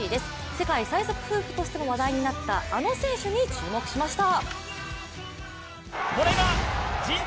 世界最速夫婦としても話題になった、あの選手に注目しました。